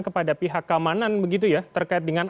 kepada pihak keamanan begitu ya terkait dengan